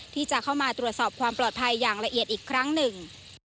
ที่จะเข้ามาตรวจสอบความปลอดภัยอย่างละเอียดอีกครั้งหนึ่ง